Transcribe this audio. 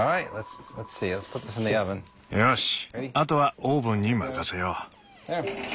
よしあとはオーブンに任せよう。